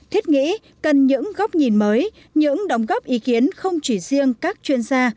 thiết nghĩ cần những góc nhìn mới những đóng góp ý kiến không chỉ riêng các chuyên gia